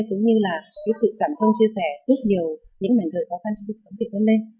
cũng như là sự cảm thông chia sẻ giúp nhiều những người khó khăn trong cuộc sống chị toan lên